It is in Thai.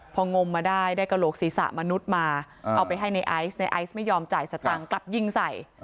พองมมาได้ได้กระโหลกศีรษะมนุษย์มาเอาไปให้ในไอซ์ในไอซ์ไม่ยอมจ่ายสตังค์กลับยิงใส่